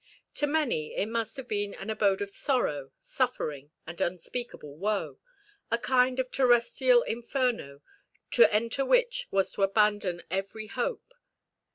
To many it must have been an abode of sorrow, suffering, and unspeakable woe, a kind of terrestrial inferno, to enter which was to abandon every hope.